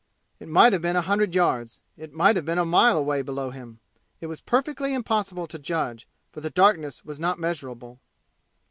It might have been a hundred yards, and it might have been a mile away below him; it was perfectly impossible to judge, for the darkness was not measurable.